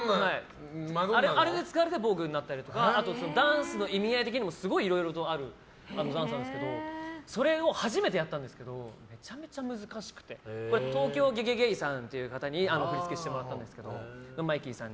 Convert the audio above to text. あれで使われてヴォーグになったりとかダンスの意味合い的にもすごくいろいろあるダンスなんですけどそれを初めてやったんですけどめちゃめちゃ難しくて東京ゲゲゲイさんって方に振り付けしてもらったんですけど。